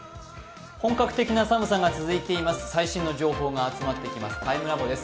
本格的な寒さが続いています、最新の情報が集まってきます